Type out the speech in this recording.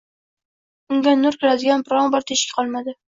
unga nur kiradigan biron-bir teshik qolmadi.